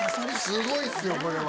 すごいっすよこれは。